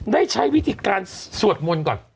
ได้ใช้วิธีการสวดมนต์ก่อน